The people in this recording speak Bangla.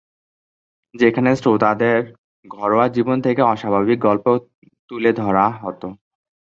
যেখানে শ্রোতাদের ঘরোয়া জীবন থেকে অস্বাভাবিক গল্প তুলে ধরা হত।